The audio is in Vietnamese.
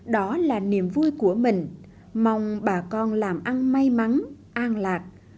đó là niềm vui của mình mong bà con làm ăn may mắn an lạc